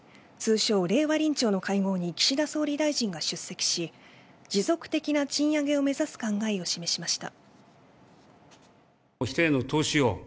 通称、令和臨調の会合に岸田総理大臣が出席し持続的な賃上げを目指す考えを示しました。